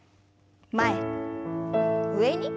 前上に。